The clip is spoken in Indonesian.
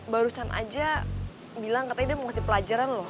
barusan aja bilang katanya dia mau kasih pelajaran loh